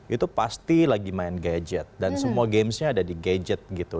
itu pasti lagi main gadget dan semua gamesnya ada di gadget gitu